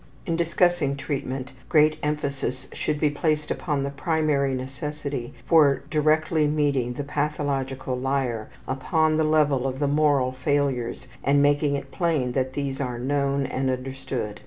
In discussing treatment great emphasis should be placed upon the primary necessity for directly meeting the pathological liar upon the level of the moral failures and making it plain that these are known and understood.